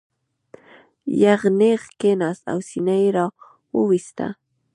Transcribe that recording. یغ نېغ کېناست او سینه یې را وویسته.